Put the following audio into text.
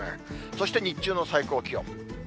そして日中の最高気温。